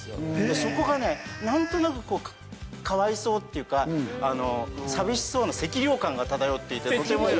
そこが何となくかわいそうっていうか寂しそうな寂寥感が漂っていてとても良い。